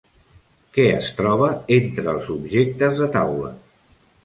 Què es troba entre els objectes de taula?